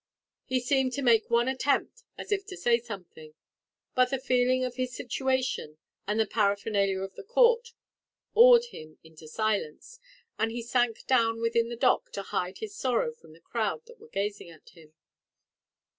He seemed to make one attempt as if to say something; but the feeling of his situation, and the paraphernalia of the court awed him into silence, and he sank down within the dock to hide his sorrow from the crowd that were gazing at him.